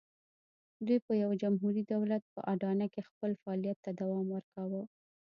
دوی په یوه جمهوري دولت په اډانه کې خپل فعالیت ته دوام ورکاوه.